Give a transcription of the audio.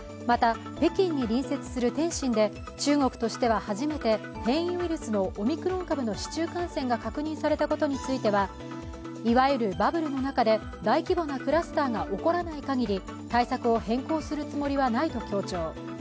また北京に隣接する天津で中国としては初めて変異ウイルスのオミクロン株の市中感染が確認されたことについては、いわゆるバブルの中で大規模なクラスターが起こらないかぎり、対策を変更するつもりはないと強調。